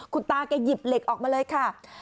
คุณตาแกหยิบเหล็กออกมาเลยค่ะ